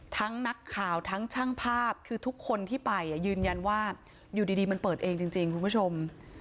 นักข่าวทั้งช่างภาพคือทุกคนที่ไปยืนยันว่าอยู่ดีมันเปิดเองจริงคุณผู้ชม